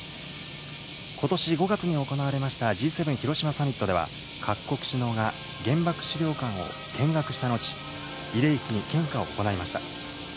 ことし５月に行われましたＧ７広島サミットでは、各国首脳が原爆資料館を見学した後、慰霊碑に献花を行いました。